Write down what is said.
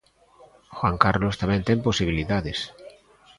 Juan Carlos tamén ten posibilidades.